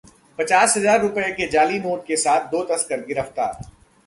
पचास हजार रूपये के जाली नोट के साथ दो तस्कर गिरफ्तार